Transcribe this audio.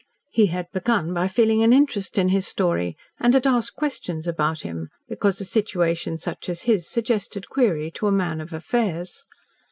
He had begun by feeling an interest in his story, and had asked questions about him, because a situation such as his suggested query to a man of affairs.